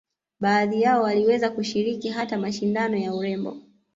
Baadhi yao waliweza kushiriki hata mashindano ya urembo